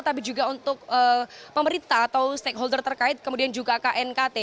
tapi juga untuk pemerintah atau stakeholder terkait kemudian juga knkt